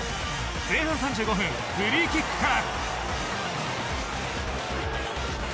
前半３５分フリーキックから。